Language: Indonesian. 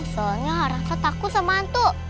soalnya rasa takut sama hantu